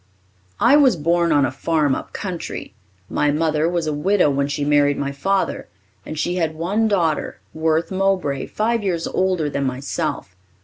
"I was born on a farm up country. My mother was a widow when she married my father, and she had one daughter, Worth Mowbray, five years older than myself.